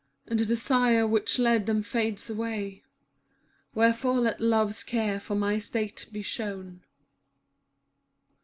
And the desire which led them fades away ; Wherefore let Love's care for my state be shown.